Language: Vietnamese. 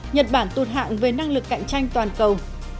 nhật bản tụt hạng về năng lực cạnh tranh toàn cầu